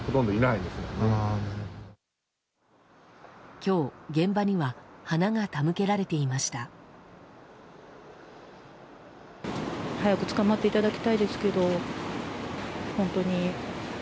今日、現場には花が手向けられていました。